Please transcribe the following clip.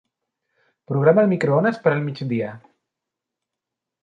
Programa el microones per al migdia.